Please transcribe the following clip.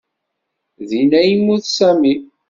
Din ay yemmut Sami.